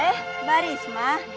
eh mbak risma